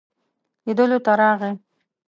لیدلو ته راغی.